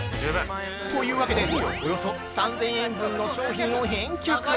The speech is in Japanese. というわけで、およそ３０００円分の商品を返却。